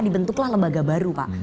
bentuklah lembaga baru pak